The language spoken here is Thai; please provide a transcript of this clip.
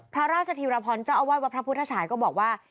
พระราชธีรพรเจ้าอาวาสวัดพระพุทธฉายก็บอกว่า